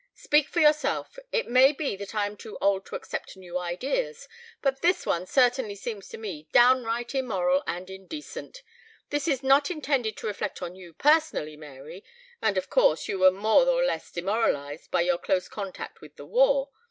"Speak for yourself. It may be that I am too old to accept new ideas, but this one certainly seems to me downright immoral and indecent. This is not intended to reflect on you personally, Mary, and of course you were more or less demoralized by your close contact with the war.